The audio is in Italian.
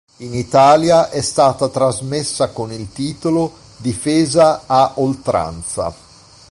In Italia è stata trasmessa con il titolo "Difesa a oltranza".